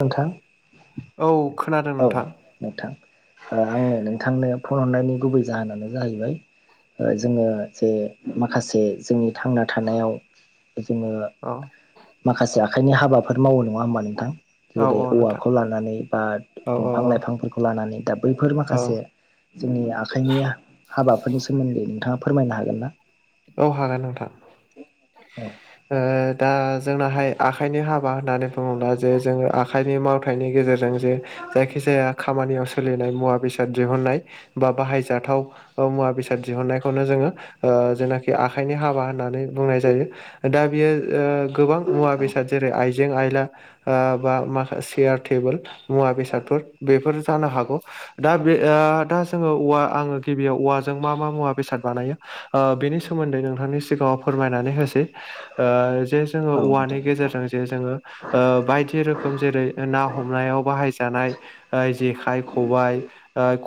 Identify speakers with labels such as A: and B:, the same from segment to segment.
A: नोंथां
B: औ खोनादों
A: औ
B: नोंथां
A: नोंथां ओ आङो नोंथांनो फन हरनायनि गुबै जाहोनानो जाहैबाय ओ जोङो जे माखासे जोंनि थांना थानायाव जोङो
B: औ
A: माखासे आखाइनि हाबाफोर मावो नङा होमबा नोंथां?
B: औ
A: जेरै
B: औ नोंथां
A: औवाखौ लानानै बा
B: औ औ
A: दंफां-लाइफांफोरखौ लानानै दा बैफोर
B: औ
A: माखासे जोंनि आखाइनि हाबाफोरनि सोमोन्दै नोंथाङा फोरमायनो हागोन ना?
B: औ हागोन नोंथां
A: औ
B: ओ दा जोंनाहाय आखाइनि हाबा होननानै बुङोब्ला जे जोङो आखाइनि मावथायनि गेजेरजों जे जायखि जाया खामानियाव सोलिनाय मुवा-बेसाद दिहुननाय बा बाहायजाथाव ओ मुवा-बेसाद दिहुननायखौनो जोङो ओ जेनाखि आखाइनि हाबा होननानै बुंनाय जायो दा बेयो ओ गोबां मुवा-बेसाद जेरै आय जें-आइला ओ बा माखा चेयार, थेबोल मुवा बेसादफोर बेफोर जानो हागौ दा बे दा जोङो औवा आङो गिबियाव औवाजों मा मा मुवा बेसाद बानायो ओ बेनि सोमोन्दै नोंथांनि सिगाङाव फोरमाय नानै होसै आ जे जोङो
A: औ
B: औवानि
A: नोंथां
B: गेजेरजों जोङो ओ बायदि रोखोम जेरै ना हमनायाव बाहाय जानाय ओ जेखाइ खबायाइ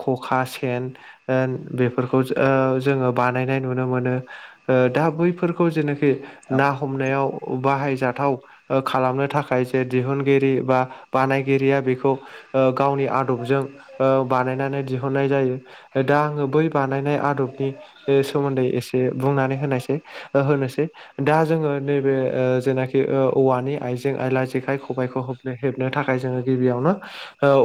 B: खखा सेन ओ बेफोरखौ ओ जोङो बानायनाय नुनो मोनो दा बैफोरखौ खौ जेनोखि ना हमनायाव बाहायजाथाव ओ खालामनो थाखाय जे दिहुनगिरि बा बानायगिरिया बेखौ ओ गावनि आदबजों बानायनानै दिहुननाय जायो दा आङो बै बानायनाय आदबनि ओ सोमोन्दै एसे बुंनानै होनायसै ओ होनोसै दा जोङो नैबे ओ जेनाखि औवानि आइजें आइला जेखाइ खबाइखौ ह हेबनो थाखाय जोङो गिबियावनो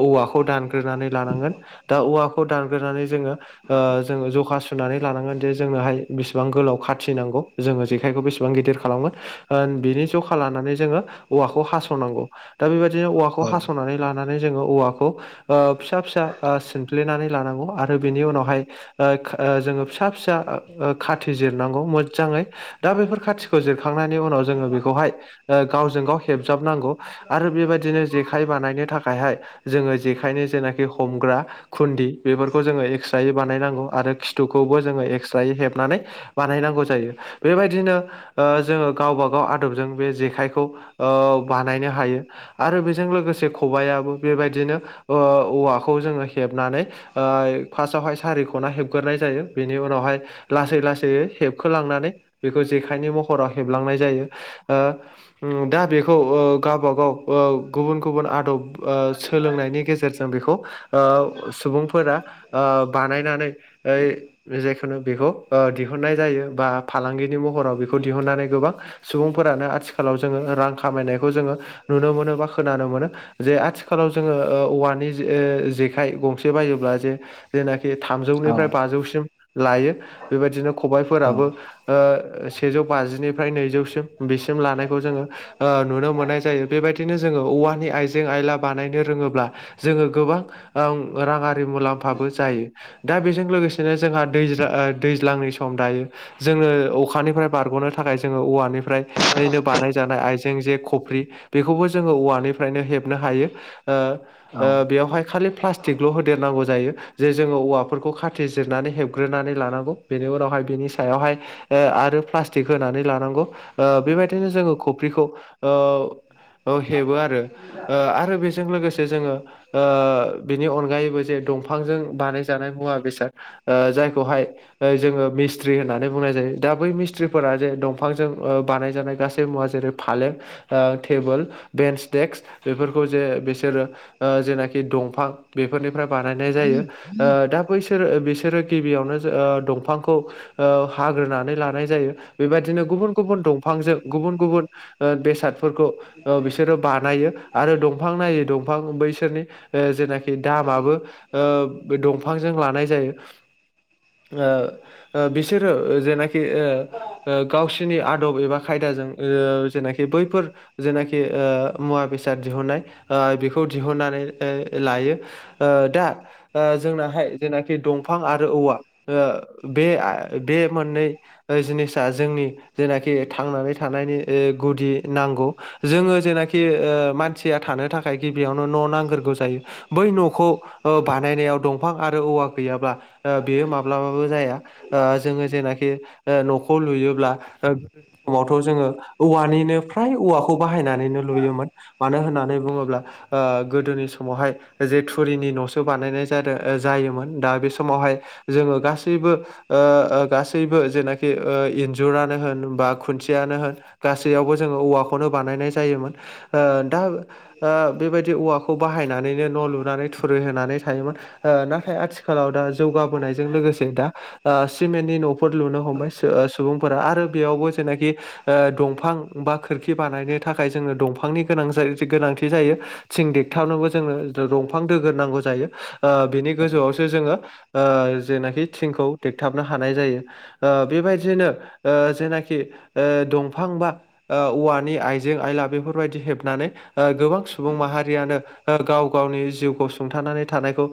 B: औवाखौ दानग्रोनानै लानांगोन दा औवाखौ दानग्रोनानै जोङो ओ जों जखा सुनानै लानांगोन जे जोंनाहाय बेसेबां गोलाव खाथि नांगौ जोङो जेखायखौ बेसेबां गिदिर खालामगोन ओ बिनि जखा लानानै जोङो औवाखौ हासनांगौ दा बेबायदिनो औवाखौ
A: औ
B: हास'नानै लानानै [unintelligible] जोङो औवाखौ ओ फिसा फिसा ओ सिनफ्लेनानै लानांगौ आरो बेनि उनावहाय ओ जोङो फिसा फिसा खाथि जिरनांगौ मोजाङै दा बेफोर खाथिखौ जिरखांनायनि उनाव जोङो बेखौहाय ओ गावजों गाव हेबजाबनांगौ आरो बेबायदिनो जेखाइ बानायनो थाखायहाय जोङो जेखाइनि जेनाखि हमग्रा खुन्दि बेफोरखौ जोङो एक्सट्रायै बानायनांगौ आरो खिथुखौबो जोङो एक्सट्रायै हेबनानै बानायनांगौ जायो बेबायदिनो ओ जोङो गावब गाव आदबजों बे जेखायखौ ओ बानायनो हायो आरो बेजों लोगोसे खबायाबो बेबायदिनो ओ औवाखौ जोङो हेबनानै ओ फार्स्टावहाय सारिखना हेबग्रोनाय जायो बेनि उनावहाय लासै लासै हेबखोलांनानै बेखौ जेखाइनि महराव हेबलांनाय जायो उम दा बेखौ ओ गावबागाव गुबुन गुबुन आदब ओ सोलोंनायनि गेजेरजों बेखौ ओ सुबुं फोरा ओ बानायनानै जेखुनु बेखौ ओ दिहुननाय जायो बा फालांगिनि महराव बेखौ दिहुननानै गोबां सुबुंफोरानो आथिखालाव जोङो रां खामायनायखौ जोङो नुनो मोनो बा खोनानो मोनो जे आथिखालाव जोङो औवानि ओ जेखाय गंसे बायोब्ला जे जेनाखि
A: औ
B: थामजौनिफ्राय बाजौसिम लायो बेबायदिनो
A: औ
B: खबाइफोराबो ओ सेजौ बाजिनिफ्राय नैजौसिम बिसिम लानायखौ जोङो ओ नुनो मोननाय जायो बेबायदिनो जोङो औवानि आइजें आयला बानायनो रोङोब्ला जोङो गोबां ओ राङारि मुलाम्फाबो जायो दा बेजों लोगोसेनो जोंहा दैज ओ दैज्लांनि सम दायो जोङो अखानिफ्राय बारग'नो थाखाय जोङो औवानिफ्राय नो बानायजानाय आइजें जे खफ्रि बेखौबो जोङो औवानिफ्रायनो हेबनो हायो ओ
A: औ
B: ओ बेवहाय खालि प्लास्टिकल' होदेरनांगौ जायो जे जोङो औवाफोरखौ खाथि जिरनानै हेबग्रोनानै लानांगौ बेनि उनावहाय बेनि सायावहाय ओ आरो प्लास्टिक होनानै लानांगौ ओ बेबायदिनो जोङो खफ्रिखौ ओ हेबो आरो आरो बेजों लोगोसे जोङो ओ बिनि अनगायैबो जे दंफांजों बानायजानाय मुवा बेसाद ओ जायखौहाय जोङो मि मिस्थ्रि होननानै बुंनाय जायो दा बै मिस्थ्रिफोरा जे दंफांजों ओ बानायजानाय गासै मुवा जेरै फालें ओ टेबोल बेन्स देक्स बेफोरखौ जे बिसोरो ओ जेनाखि दंफां बेफोरनिफ्राय बानायनाय जायो ओ दा बैसोरो बिसोरो गिबियावनो ओ दंफांखौ ओ हाग्रोनानै लानाय जायो बेबायदिनो गुबुन गुबुन दंफांजों गुबुन गुबुन ओ बेसादफोरखौ बिसोरो बानायो आरो दंफां नायो दंफां बैसोरनि जेनाखि दामाबो ओ बे दंफांजों लानाय जायो ओ ओ बिसोरो जेनाखि ओ ओ गावसोरनि आदब एबा खायदाजों ओ जेनाखि बैफोर जेनाखि ओ मुवा बेसाद दिहुननाय बेखौ दिहुननानै लायो ओ दा ओ जोंनाहाय जेनाखि दंफां आरो औवा ओ बे बे मोननै जिनिसा जोंनि जेनाखि थांनानै थानायनि ओ गुदि नांगौ जोङो जेनाखि ओ मानसिया थानो थाखाय गिबियावनो न' नांग्रोगौ जायो बै न'खौ ओ बानायनायाव दंफां आरो औवा गैयाब्ला ओ बेयो माब्लाबाबो जाया ओ जोङो जेनाखि ओ न'खौ लुयोब्ला समावथ जोङो औवानिनो फ्राय औवाखौ खौ बाहायनानैनो लुयोमोन मानो होननानै बुङोब्ला ओ गोदोनि समावहाय जे थुरिनि न'सो बानायनाय जादों जायोमोन दा बे समावहाय जोङो गासैबो ओ ओ गासैबो जेनाखि ओ इन्जुरानो होन बा खुन्थियानो होन गासैयावबो जोङो औवाखौनो बानायनाय जायोमोन ओ दा ओ बेबायदि औवाखौ बाहायनानैनो न' लुनानै थुरि होनानै थायोमोन ओ नाथाय आथिखालाव दा जौगाबोनायजों लोगोसे दा दख सिमेन्टनि न'फोर लुनो हमबाय सुबुंफोरा आरो बेयावबो जेनाखि ओ दंफां बा खोरखि बानायनो थाखाय जोङो दंफांनि गोनां गोनांथि जायो थिं देगथाबनोबो जोङो दंफां दोग्रोनांगौ जायो ओ बिनि गोजौआवसो जोङो जेनाखि ओ थिंखौ देगथाबनो हानाय जायो ओ बेबायदिनो ओ जेनाखि ओ दंफां बा ओ औवानि आइजें आइला बेफोरबायदि हेबनानै ओ गोबां सुबुं माहारियानो गाव गावनि जिउखौ सुंथानानै थानायखौ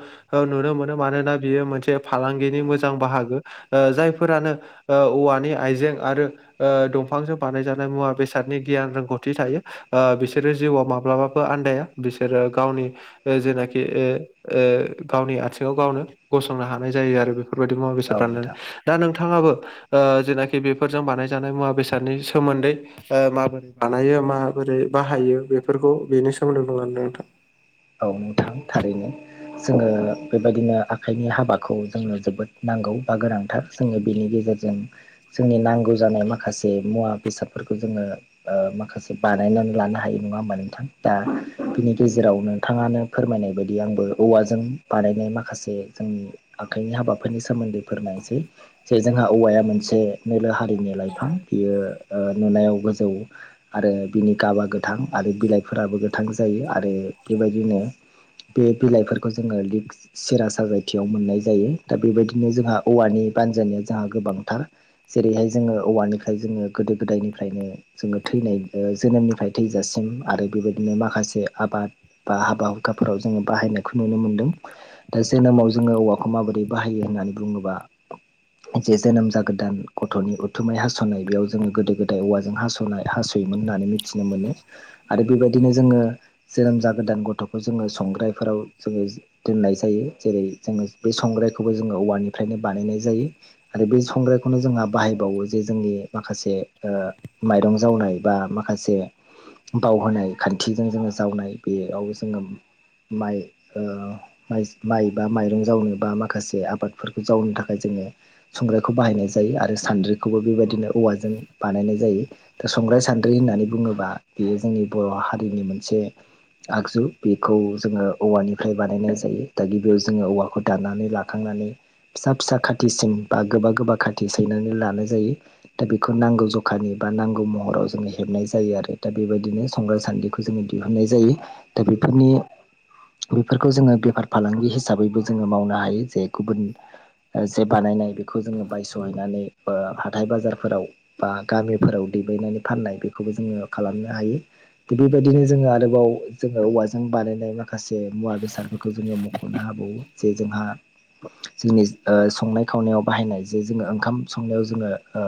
B: नुनो मोनो मानोना बियो मोनसे फालांगिनि मोजां बाहागो ओ जायफोरानो ओ औवानि आइजें आरो ओ दंफांजों बानायजानाय मुवा बेसादनि गियान रों गौथि थायो ओ बिसोरो जिउआव माब्लाबाबो आन्दाया बिसोरो गावनि जेनाखि ओ ओ गावनि आथिङाव गावनो गसंनो हानाय जायो आरो बेफोरबायदि मुवा बेसाद
A: नोंथां
B: बानायनानै दा नोंथाङाबो ओ जेनाखि बेफोरजों बानायजानाय मुवा बेसादनि सोमोन्दै ओ माबोरै बानायो माबोरै बाहायो बेफोरखौ बेनि सोमोन्दै बुंलादों नोंथां
A: औ नोंथां थारैनो जोङो बेबायदिनो आखाइनि हाबा खौ जोंनो जोबोद नांगौ बा गोनांथार जोङो बेनि गेजेरजों जोंनि नांगौ जानाय माखासे मुवा बेसादफोरखौ जोङो ओ माखासे बानायनानै लानो हायो नङा हबा नोंथां दा बिनि गेजेरावनो नोंथाङानो फोरमायनाय बायदि आंबो औवाजों बानायनाय माखासे जोंनि आखाइनि हाबाफोरनि सोमोन्दै फोरमनायसै जे जोंहा औवाया मोनसे नोलो हालिनो लाइफां बियो नुनायाव गोजौ आरो बिनि गाबा गोथां आरो बिलाइफोराबो गोथां जायो आरो बेबायदिनो बे बिलाइफोरखौ जोङो लिकस सेरा साजायथियाव मोननाय जायो दा बेबायदिनो जोंहा औवानि बानजानाया जोंहा गोबांथार जेरैहाय जोङो औवानिफ्राय जोङो गोदो गोदायनिफ्रायनो जोङो थैनाय ओ जोनोमनिफ्राय थैजासिम आरो बेबायदिनो माखासे आबाद बा हाबा हुखाफोराव जोङो बाहायनायखौ नुनो मोनदों दा जोनोमाव जोङो औवाखौ माबोरै बाहायो होननानै बुङोबा जे जोनोम जागोदान गथ'नि उथुमाय हासनाय बेयाव जोङो गोदो गोदाय औवाजों हासनाय हासयोमोन होननानै मिथिनो मोनो आरो बेबायदिनो जोङो जोनोम जा गोदान गथ'खौ जोङो संग्रायफोराव जोङो दोननाय जायो जेरै जोङो बे संग्रायखौबो जोङो औवानिफ्रायनो बानायनाय जायो। आरो बै संग्रायखौनो जोंहा बाहायबावो जे जोंनि माखासे ओ माइरं जावनाय बा माखासे बावहोनाय खान्थिजों जोङो जावनाय बेयावबो जोङो माइ ओ माइ बा माइरं जावनो बा माखासे आबादफोरखौ जावनो थाखाय जोङो संग्रायखौ बाहायनाय जायो आरो सान्द्रिखौबो बेबायदिनो औवाजों बानायनाय जायो। दा संग्राय सान्द्रि होननानै बुङोबा बेयो जोंनि बर' हारिनि मोनसे आगजु बेखौ जोङो औवानिफ्राय बानायनाय जायो दा गिबियाव जोङो औवाखौ दाननानै लाखांनानै फिसा फिसा खाथिसिन बा गोबा गोबा खाथि सैनानै लानाय जायो। दा बेखौ नांगौ जखानि बा नांगौ महराव जोङो हेबनाय जायो आरो दा बेबायदिनो सग्रा सान्दिखौ जोङो दिहुननाय जायो दा बेफोरनि बेफोरखौ जोङो बेफार फालांगि हिसाबैबो जोङो मावनो हायो जे गुबुन जे बानायनाय बेखौ जोङो बायस'हैनानै हाथाय बाजारफोराव बा गामिफोराव दैबायायनानै फाननाय बेखौबो जोङो खालामनो हायो थिग बेबायदिनो जोङो आरोबाव जोङो औवाजों बानायनाय माखासे मुवा बेसादफोरखौ जोङो मख'नो हाबावो जे जोंहा जोंनि संनाय खावनायाव बाहायनाय जे जोङो ओंखाम संनायाव जोङो ओ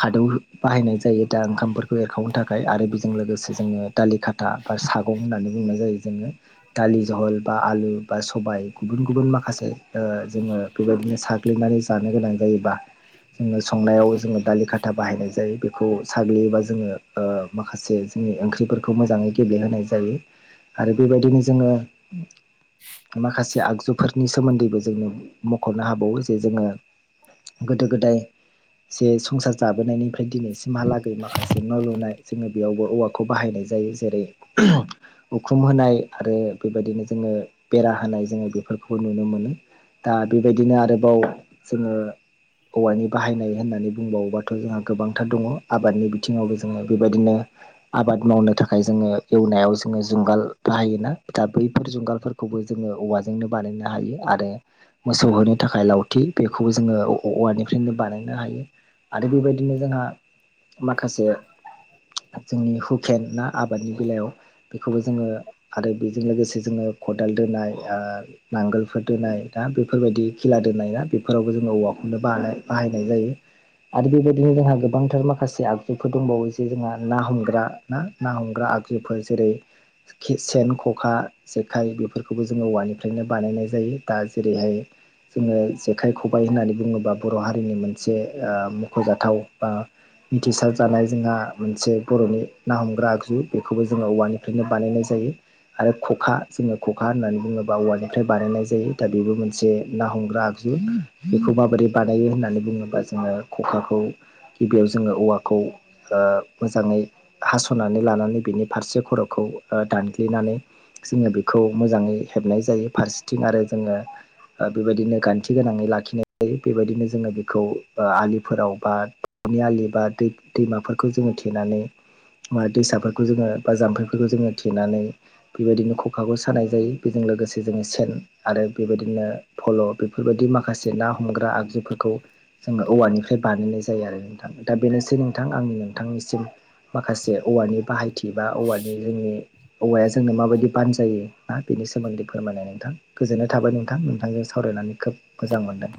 A: खादौ बाहायनाय जायो दा ओंखामफोरखौ एरखावनो थाखाय आरो बि जों लोगोसे जोङो दालि खाथा बा सागं होननानै बुंनाय जायो जोङो। दालि जहल बा आलु बा सबाय गुबुन गुबुन माखासे जोङो बेबायदिनो साग्लिनानै जानो गोनां जायोबा जोङो संनायाव जोङो दालि खाथा बाहायनाय जायो बेखौ साग्लियोबा जोङो ओ माखासे जोंनि ओंख्रिफोरखौ मोजाङै गबेलेहोनाय जायो आरो बेबायदिनो जोङो माखासे आगजुफोरनि सोमोन्दैबो जोंनो मख'नो हाबावो जे जोङो गोदो गोदाय जे संसार जाबोनायनि दिनैसिमहालागै माखासे न' लुनाय जोङो बेयावबो औवाखौ बाहायनाय जायो जेरै उखुम होनाय आरो बेबायदिनो जोङो बेरा होनाय जोङो बेफोरखौबो नुनो मोनो। दा बेबायदिनो आरोबाव जोङो औवानि बाहायनाय होननानै बुंबावोबाथ' जोंहा गोबांथार दङ आबादनि बिथिङावबो जोङो बेबायदिनो आबाद मावनो थाखाय जोङो एवनायाव जोङो जुंगाल बाहायोना। दा बैफोर जुंगालफोरखौबो जोङो औवाजोंनो बानायनो हायो आरो। मोसौ होनो थाखाय लावथि बेखौ जोङो औवानिफ्रायनो बानायनो हायो। आरो बेबायदिनो जोंहा माखासे
B: [inaudible]
A: जोंनि हुकेन ना आबादनि बेलायाव बेखौबो जोङो आरो बेजों लोगोसे जोङो खदाल दोनाय नांगोलफोर दोनाय दा बेफोरबायदि खिला दोनाय ना बेफोरावबो जोङो औवाखौनो ब बाहायनाय जायो। आरो बेबायदिनो जोंहा गोबांथार माखासे आगजुफोर दंबावो। जोंहा ना हमग्रा ना ना हमग्रा आगजुफोर जेरै सेन ख'खा जेखाइ बेफोरखौबो जोङो औवानिफ्रायनो बानायनाय जायो दा जेरैहाय जोङो जेखाइ खबाइ होननानै बुङोब्ला बर' हारिनि मोनसे मख'जाथाव बा मिथिसार जानाय जोंहा मोनसे बर'नि ना हमग्रा आगजु बेखौबो जोङो औवानिफ्रायनो बानायनाय जायो। आरो खखा जोङो खखा होननानै बुङोब्ला औवानिफ्राय बानायनाय जायो दा बेबो मोनसे ना हमग्रा बेखौ माबोरै बानायो होननानै बुङोबा जोङो खखाखौ गिबियाव जोङो औवाखौ ओ मोजाङै हास'नानै लानानै बिनि फारसे खर'खौ दानग्लिनानै जोङो बेखौ मोजाङै हेबनाय जायो फारसेथिं आरो जोङो बेबायदिनो गान्थि गोनाङै लाखिनाय जायो बेबायदिनो जोङो बेखौ आलिफोराव बा आलि बा दै दैमाफोरखौ जोङो थेनानै। बा दैसाफोरखौ जोङो बा जाम्फैफोरखौ जोङो थेनानै। बेबायदिनो खखाखौ सानाय जायो बेजों लोगोसे जोङो सेन आरो बेबादिनो फल' बेफोरबादि माखासे माखासे ना हमग्रा आगजुफोरखौ जोङो औवानिफ्राय बानायनाय जायो आरो। थां दा बेनोसै नोंथां आंनि नोंथांनिसिम माखासे औवानि बाहायथि बा औवानि जोंनि औवाया जोंनो माबायदि बानजायो ना बेनि सोमोन्दै फोरमायनाय नोंथां गोजोन्नाय थाबाय नोंथां नोंथांजों सावरायनानै खोब मोजां मोनदों।